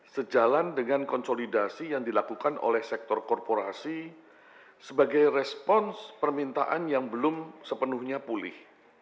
sejalan dengan konsolidasi yang dilakukan oleh sektor korporasi sebagai respons permintaan yang belum sepenuhnya pulih